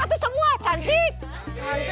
so katu semua cantik cantik